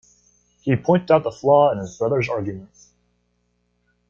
He pointed out the flaw in his brother’s argument.